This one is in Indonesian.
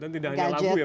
dan tidak hanya lagu ya